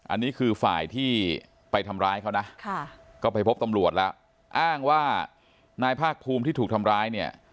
อันนี้คือฝ่ายที่ไปทำร้ายเขานะก็ไปพบตำรวจแล้วอ้างว่านายภาคภูมิที่ถูกทำร้ายเนี่ย